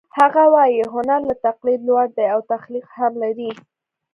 هغه وايي هنر له تقلید لوړ دی او تخلیق هم لري